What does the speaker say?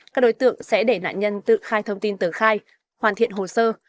các đối tượng sẽ để nạn nhân tự khai thông tin từ khai hoàn thiện hồ sơ